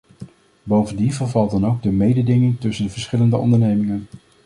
Bovendien vervalt dan ook de mededinging tussen de verschillende ondernemingen.